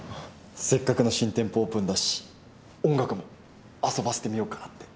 せっかくの新店舗オープンだし音楽も遊ばせてみようかなって。